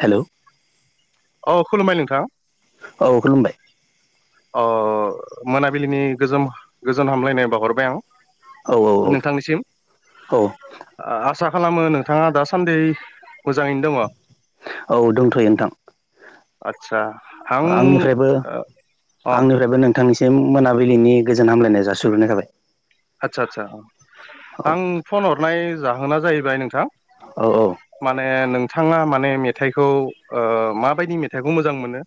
Hello औ खुलुमबाय नोंथां औ खुलुमबाय औ औ औ मोनाबिलिनि गोजोम-गोजोन हामलायनाय बावहरबाय आं। औ औ नोंथांनिसिम औ आ-आसा खालामो नोंथाङा दासान्दै मोजाङैनो दङ'। औ दंथ'यो नोंथां। आदसा आं अ आंनिफ्रायबो-आंनिफ्रायबो नोंथांनि सिम मोनाबिलिनि गोजोन हामलायनाया जासिहरग्रोनाय जाबाय। आदसा आदसा औ आं फन हरनाय जाहोना जाहैबाय नोंथां औ औ ओ नोंथाङा माने मेथाइखौ ओ माबायदि मेथाइखौ मोजां मोनो?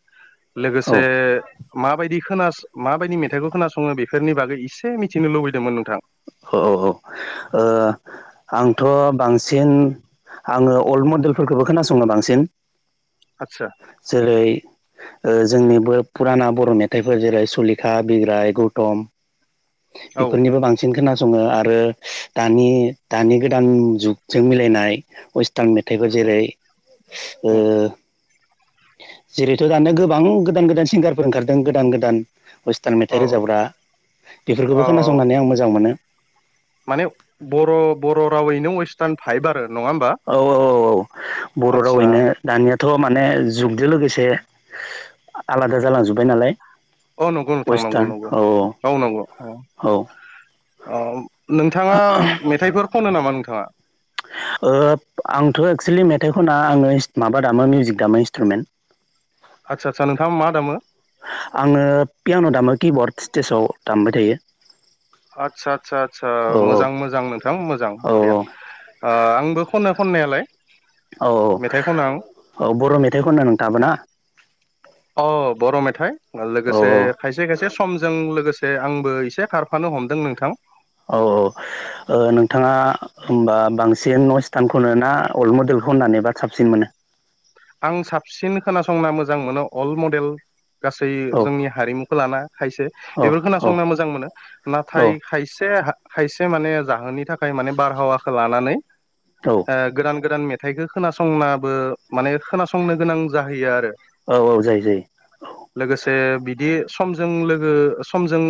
लोगोसे माबायदि खोनास माबायदि मेथाइखौ खोनासङो बेफोरनि बागै इसे मिथिनो लुबैदोंमोन नोंथां। औ औ औ ओ आंथ' बांसिन आङो अल्ड मडेलफोरखोबो खोनासङो बांसिन। आदसा जेरै ओ जोंनि बो फुराना बर' मेथाइफोर जेरै सुलिखा बिग्राय गौतम औ बेफोरनिबो बांसिन खोनासङो आरो दानि-दानि गोदान जुगजों मिलायनाय वेस्टार्न मेथाइ बेबो जेरै ओ अ जेरैथ' दानो गोबां गोदान गोदान सिंगारफोर ओंखारदों गोदान गोदान वेस्टार्न अ मेथाइ रोजाबग्रा बेफोरखौबो अ खोनासंनानै आं मोजां मोनो। माने बर'-बर'रावैनो वेस्टार्न भाइबा औ औ औ औ बर' आदसा रावैनो दानिया थ' माने जुगदो लोगोसे आलादा जालांजुबबाय नालाय। औ नंगौ नोंथा नंगौ वेस्टार्न नंगौ औ औ नंगौ अ औ अ नोंथाङा मेथाइफोर ख'नो नामा नोंथाङा? आंथ' एक्सुेलि मेथाइ खना आङो माबा दामो मिउजिक दामो इन्सट्रुमेन्ट। आदसा आतसा नोंथाङा मा दामो? आङो पियान' दामो किबर्ड स्टेजाव दामबाय थायो। आदसा आदसा आदसा औ मोजां मोजां नोंथां मोजां औ बरिया आंबो खनो खननायालाय। औ औ मेथाइ खनो आं औ बर' मेथाइ खनो नोंथाङाबो ना। अ बर' मेथाइ औ लोगोसे औ खायसे खायसे समजों लोगोसे दे आंबो एसे खारफानो हमदों नोंथां। औ औ। ओ नोंथाङा होमबा बांसिन नयस्टानखौनो ना अल्द मडेलखौ होननानै बा साबसिन मोनो? आं साबसिन खोनासंना मोजां मोनो अल्द मडेल। गासै औ जोंनि हारिमुखौ लाना खायसे औ बेफोर औ खोनासंना मोजां मोनो औ नाथाय खायसे खायसे माने जाहोननि थाखाय माने बारहावाखौ लानानै औ ओ गोदान गोदान मेथाइखो खोनासंनाबो माने खोनासंनो गोनां जाहैयो आरो। औ औ जायो जायो [inaudible] लोगोसे बिदि समजों लोगो समजों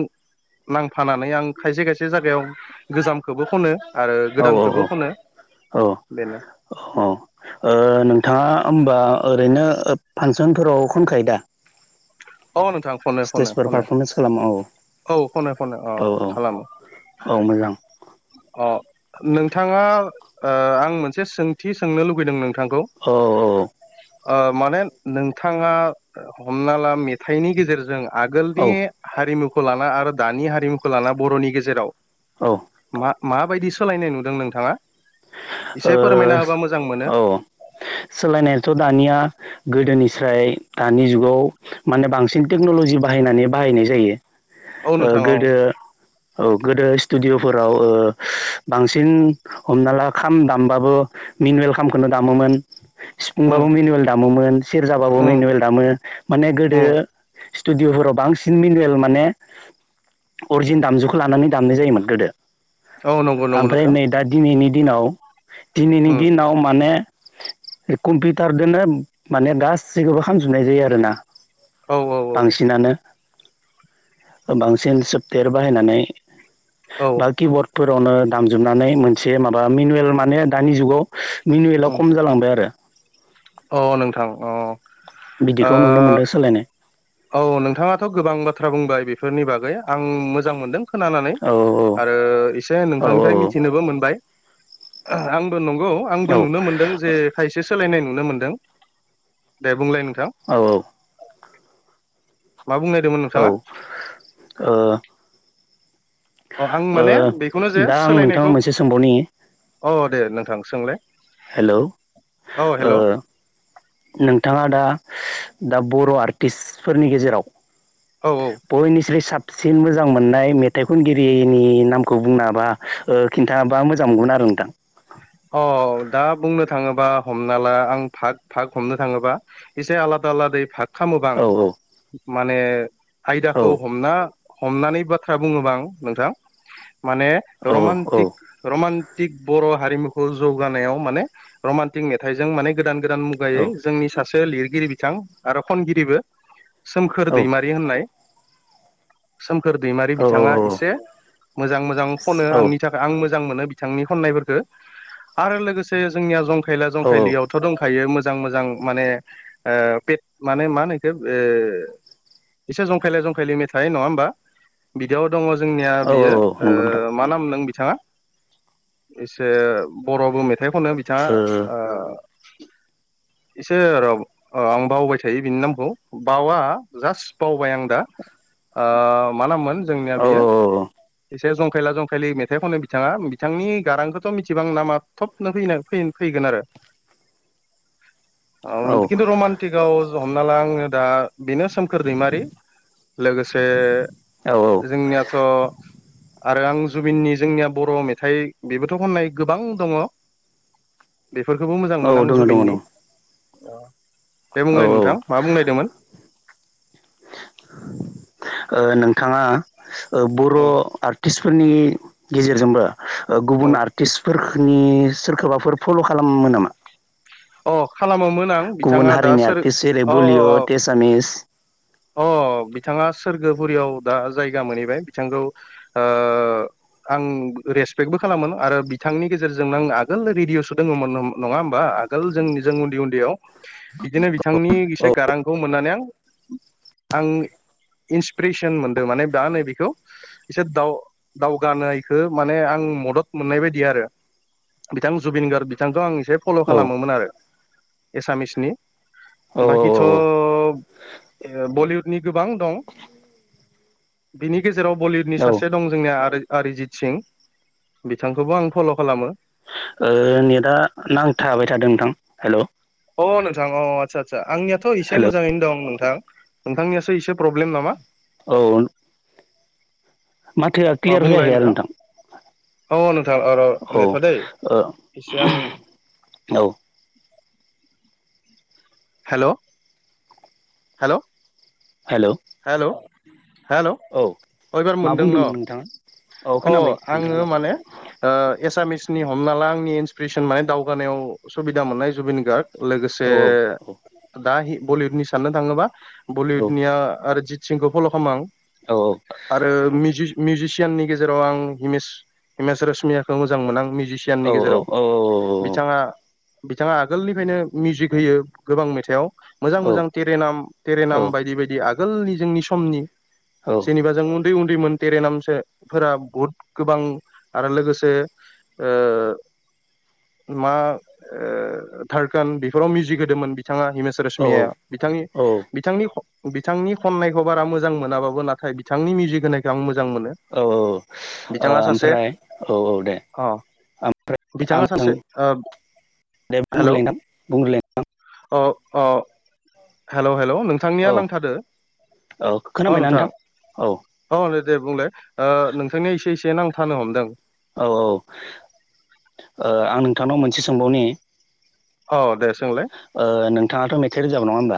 नांफानानै आं खायसे खायसे जागायाव गोजामखोबो खनो। आरो औ औ औ गोदानखौबो खनो औ बेनो औ ओ नोंथाङा होमबा ओरैनो फानसनफोराव खनखायो दा? अ नोंथां खनो खनो स्टेजफोर खनो। पारफरमेन्स खालामो औ औ खनो खनो ओ औ खालामो औ मोजां अ अ नोंथाङा ओ आं मोनसे सोंथि सोंनो लुुबैदों नों औ औ औ। ओ माने नोंथाङा हमना ला मेथाइनि गेजेरजों आगोलनि हारिमुखौ लाना आरो दानि हारिमुखौ लाना बर'नि गेजेराव औ मा माबायदि सोलायनाय नुदों नोंथाङा एसे फोरमायना होबा मोजां मोनो। औ सोलायनायाथ' दानिया गोदोनिस्राय दानि जुगाव माने बांसिन टेक्न'लजि बा बाहायनानै बाहायनाय जायो औ ओ नोंथां औ गोदो औ गोदो स्टुडिअ'फोराव ओ बांसिन हमना ला खाम दामबाबो मिनुयेल खामखोनो दामोमोन। उम सिफुंबाबो मेनुयेल दामोमोन सेरजाबाबो उम मेनुयेल दामो माने गोदो उम स्टुडिअफोराव बांसिन मिनुयेल माने अरजिन दामजुखो लानानै दामनाय जायोमोन गोदो। औ नंगौ नंगौ आमफ्राय नोंथां नै दा दिनैनि दिनाव दिनैनि उम दिनाव माने कम्पिटारदोनो माने गासैखौबो खामजोबनाय जायो आरो ना। औ औ बांसिनानो बांसिन सोब्थयेर बाहायनानै औ बा किबर्डफोरावनो दामजोबनानै मोनसे माबा मेनुयेल माने दानि जुगाव मेनुयेला खम जालांबाय आरो। अ नोंथां अ। बिदिखौ नुनो मोनदों ओ सोलायनाय। औ नोंथाङाथ' गोबां बाथ्रा बुंबाय बेफोरनि बागै आं मोजां मोनदों खोनानानै औ आरो एसे औ नोंथांनिफ्राय मिथिनोबो मोनबाय आंबो नं गौ आंबो औ नुनो मोनदों जे खायसे सोलायनाय नुनो मोनदों दे बुंलाय नों औ औ। मा बुंनायदोमोन औ नोंथाङा? ओ अ आं माने ओ बेखौनो जे दा आं नोंथांनाव सोलायनायखौ मोनसे सोंबावनि अ दे नोंथां। सोंलाय हेलौ औ ओ हेल' औ नोंथाङा दा दा बर' आर्टिस्टफोरनि गेजेराव औ बयनिस्राय साब सिन मोजां मोननाय मेथाइ खनगिरिनि नामखौ बुंनाबा ओ खिन्थाबा मोजां मोनगोन आरो नोंथां। अ दा बुंनो थाङोबा हमना ला आं भाग भाग हमनो थाङोबा एसे आलाद आलादायै भाग खामोबा आं औ माने औ आयदाखौ हमना हमनानै बाथ्रा बुङोबा आं नोंथां माने औ रमान्टिक रमान टिक बर' हारिमुखौ जौगानायाव माने रमान्टिक मेथाइजों माने गोदान गोदान औ मुगायै जोंनि सासे लिरगिरि बिथां आरो खनगिरिबो सोमखोर औ दैमारि होननाय सोम खोर दैमारि औ औ बिथाङा एसे मोजां मोजां खनो औ औ आंनि थाखाय आं मोजां मोनो बिथांनि खननायफोरखो आरो लोगोसे जोंनिया जंखायला औ जंखायलियावथ' दंखायो जां मोजां माने ओ [unintelligible] मा होनो इखो ओ एसे जंखायला जंखायले मेथाइ नङा होमबा बिदियाव दङ जोंनिया औ बियो औ नंगौ नोंथां ओ मा नाममोन बिथाङा जे बर'बो मेथाइखौनो बिथाङा ओ इसे र' आं बावबाय थायो बिनि नामखौ बावा जास्ट बावबाय आं दा। ओ मा नाममोन जोंनिया ओ औ बियो एसे जंखायला जंखायलि मेथाइ खनो बिथाङा बिथांनि गारांखौ मिथिबां नामा थबनो फैगोन फैगोन आरो औ ओ खिन्थु रमान्टिकआव हमना ला आङो दा बेनो सोमखोर दैमारि लोगोसे औ जोंनियाथ' आरो आं जुबिननि जोंनिया बर' मेथाइ बेबोथ' खननाय गोबां दङ। बेफोरखौबो मोजां औ औ मोनो आं दङ दङ जुबिननि दङ दे औ बुंलाय औ नोंथां मा बुंनोनायदोंमोन। नोंथाङा बर' आर्टिस्टफोरनि गेजेरजोंबो गुबुन आर्टिस्टफोरनि सोरखौबाफोर फल' खालामो नामा? अ खालामोमोन आं गुबुन बिथाङा दा हारिनि सोर आर्टिस्ट जेरै अ अ बलिउड एसामिस अ बिथाङा सोरगोफुरियाव दा जायगा मोनहैबाय। बिथांखौ ओ आं रेसपेक्टबो खालामोन आरो बिथांनि गेजेरजोंनो आं आगोल रेडिय'सो दङमोन नङा होमबा आगोल जों जों उन्दै उन्दैयाव बिदिनो बिथांनि औ इसे गारांखौ मोननानै आं आं इन्सपिरेसन मोनदों माने दा नैबेखौ एसे दाव दावगानायखौ माने आं मदद मोननाय बायदि आरो बिथां जुबिन गार्ग बिथांखौ आं फल' औ खालामोमोन आरो एसामिसनि औ बाखिथ' औ बलिउडनि गोबां दं। बिनि गेजेराव बलिउडनि ओ सासे दं जोंनिया अरिजित सिं बिथांखौबो आं फल' खालामो। ओ नेटा नांथाबाय थादों नोंथां। हेल' अ नोंथां अ आदसा आदसा आंनियाथ' एसे हेल' मोजाङैनो दं। नोंथां नोंथांनियासो एसे प्रब्लेम नामा? औ माथोआ क्लियार जायाखै आरो नोंथां। अ नोंथां र' औ नेथ' दैै ओ एसे आं औ hello hello hello hello hello इबार मा मोनदों न बुंदोंमोन नोंथाङा? औ अ खोनाबाय नोंथां आङो खोनाबाय माने ओ एसामिसनि हमना ला आंनि इन्सपिरेसन माने दावगानायाव सुबिदा मोननाय जुबिन गार्ग औ लोगोसे दा बलिउडनि साननो थाङोबा औ बलिउदनिया आरो आरजित सिंखौ फल' खालामो आं औ आरो मिउजिक मिउजिसियाननि गेजेराव आं हिमेस हिमेस रशमियाखौ मोजां मोनो आं मिउजिसियाननि औ गेजेराव औ बिथाङा बिथाङा आगोलनिफ्रायनो मिउजिक होयो गोबां मेथाइआव मोजां मोजां तेरेेनाम तेरेेनाम बायदि बायदि आगोलनि जोंनि समनि जेनबा जों उन्दै उन्दैमोन तेरेेनामसोफोरा बहुद गोबां आरो लोगोसे ओ मा ओ थारकान बेफोराव मिउजिक होदोंमोन बिथाङा हिमेश औ रशमियाया बिथांनि औ बिथांनि बिथांनि खननायखौ बारा मोजां मोनाबाबो नाथाय बिथांनि मिउजिक होनायखौ आं मोजां मोजां औ मोनो बिथाङा सासे ओमफ्राय औ औ दे अ आं बिथाङा नों सासे दे हेलौ बुंग्रोलाय नोंथां बुंग्रोलाय अ अ हेलौ हेलौ नोंथांनिया औ नांथादो औ अ खोनाबायना नोंथां औ अ नो दे बुंलाय नोंथांनिया एसे एसे नांथानो हमदों औ औ ओ आं नोंथांनाव मोनसे सोंबावनि औ दे सोंलाय ओ नोंथाङाथ मेथाइ रोजाबो नङा होमबा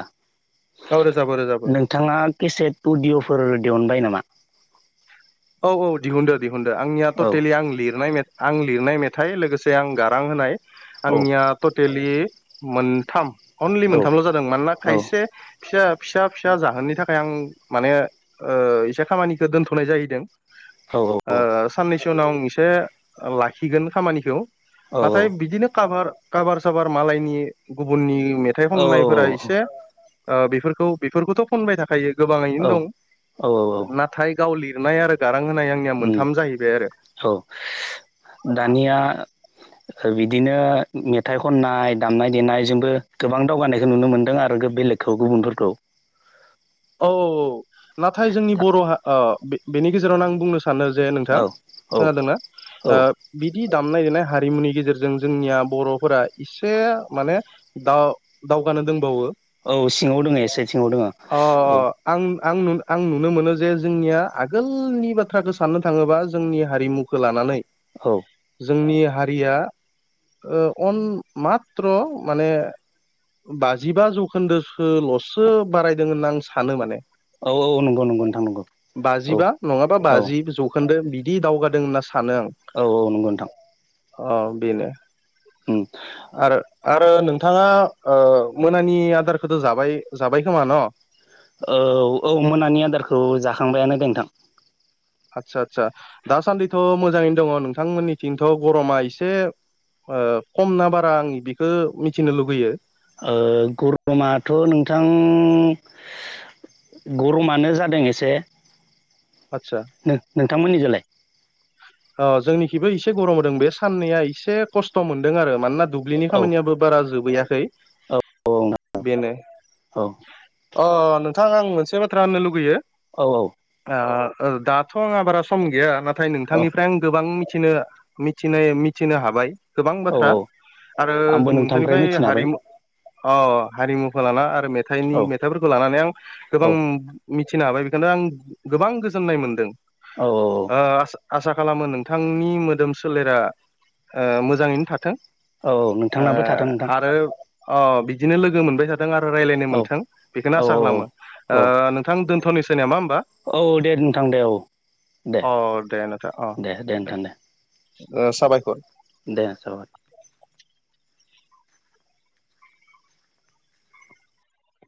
औ रोजाबो रोजाबो नोंथाङा केसेट उडिअफोर दिहुनबाय नामा औ औ दिहुनदो दिहुनदो आंनिया औ टटेलि आं लिरनाय मेथ आं लिरनाय मेथाइ लोगोसे आं गारां होनाय औ आंनिया टटेलि मोनथाम अनलि औ मोनथामल जादों मानोना औ खायसे फिसा फिसा फिसा जाहोननि थाखाय आं माने ओ एसे खामानिखौ दोनथनाय जाहैदों औ ओ साननैसो उनाव आं एसे लाखिगोन खामानिखौ नाथाय औ बिदिनो काभार काभार साबार मालायनि गुबुननि मेथाइ खननायफोरा एसे बेफोरखौ बेफोरखौथ खनबाय थाखायो गोबाङैनो दं औ नाथाय गाव लिरनाय आरो गारां होनाय आंनिया उम मोनथाम जाहैबाय आरो औ दानिया बिदिनो मेथाइ खननाय दामनाय देनायजोंबो गोबां दावगानायखौ नुनो मोन्दों आरो बेलेग खौ गुबुनफोरखौ औ औ नाथाय जोंनि बर हा ओ बेनि गेजेरावनो आं बुंनो सा सानो जे नोंथां औ औ खोनादोंना ओ औ बिदि दामनाय देनाय हारिमुनि गेजेरजों जोंनिया बरफोरा एसे माने दाव दावगा नों दोंबावो औ सिङाव दङ एसे सिङाव दङ अ आं आं आं नुनो मोनो जे जोंनिया आगोलनि बाथ्राखौ साननो थाङोबा जोंनि हारिमुखौ लानानै औ जोंनि हारिया ओ अन माथ्र माने बाजिबा जौखोन्दोसो लसो बारायदों होनना आं सानो माने औ औ नंगौ नंगौ नोंथां नंगौ औ बाजिबा नङाबा औ बाजि जौखोन्दो बिदि दावगादों होनना सा औ औ नंगौ नोंथां अ बेनो आरो आरो नोंथाङा ओ मोनानि आदारखौथ जाबाय जाबाय खोमा न औ औ मोनानि आदारखौ जाखांबायानो दे नोंथां आदसा आदसा दासान्दिथ मोजाङैनो दङ नोंथांमोननिथिंथ गरमा एसे ओ खम ना बारा आंनि बेखौ मिथिनो लुबैयो ओ गरमाथ नोंथां गरमानो जादों एसे आदसा न नोंथांमोननिजोंलाय अ जोंनिखिबो इसे गरम होदों बे साननैया एसे खस्थ मोनदों आरो मानोना दुब्लिनि औ खामानियाबो बारा जोबैयाखै औ औ बेनो औ अ अ नोंथां आं मोनसे बाथ्रा होननो लुगैयो औ औ ओ दाथ आंहा बारा सम गैया नाथाय औ नोंथांनिफ्राय आं गोबां मि थिनो मिथिनाय मिथिनो हाबाय गोबां औ बाथ्रा औ आरो आंबो नोंथांनिफ्राय मिथिनो हाबाय हारिमु अ हारिमुखौ लाना आरो मेथाइनि औ मेथाइफोरखौ लानानै आं औ गोबां मिथिनो हाबाय बेखायनो आं गोबां गोजोननाय मोनदों औ औ औ ओ आसा आसा खालामो नोंथांनि मोदोम सोलेरा मोजाङैनो थाथों औ नोंथांनाबो थाथों नोंथां आरो अ बिदिनो लोगो मोनबाय थाथ थों आरो रायलायनो औ मोनथों बेखौनो औ आसा खालामो औ नोंथां दोनथ'निसै नामा होमबा औ दे नोंथां दे औ दे अ दे नोंथां अ दे दे नोंथां दे साबायखर दे जाय।